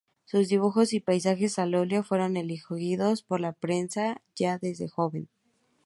Sus dibujos y paisajes al óleo fueron elogiados por la prensa ya desde joven.